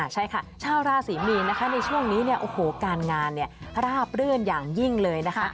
ใช่ค่ะชาวราศรีมีนนะคะในช่วงนี้การงานราบรื่นอย่างยิ่งเลยนะคะ